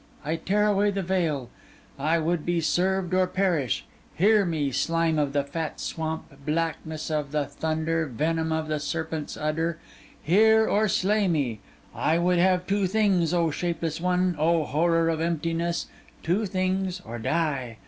I tear away the veil. I would be served or perish. Hear me, slime of the fat swamp, blackness of the thunder, venom of the serpent's udder—hear or slay me! I would have two things, O shapeless one, O horror of emptiness—two things, or die!